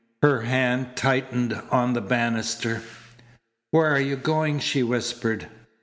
Her hand tightened on the banister. "Where are you going?" she whispered.